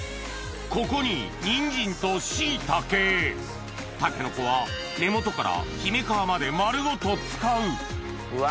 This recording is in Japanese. ここに人参と椎茸タケノコは根元から姫皮まで丸ごと使ううわ